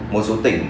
một số tỉnh